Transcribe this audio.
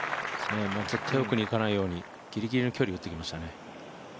絶対に奥にいかないように、ぎりぎりの距離打ってきましたね。